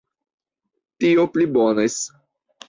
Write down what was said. Tio pli bonas!